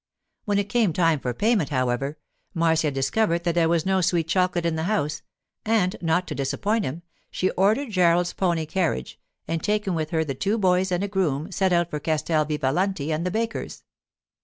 When it came time for payment, however, Marcia discovered that there was no sweet chocolate in the house, and, not to disappoint him, she ordered Gerald's pony carriage, and taking with her the two boys and a groom, set out for Castel Vivalanti and the baker's.